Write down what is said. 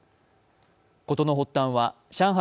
事の発端は上海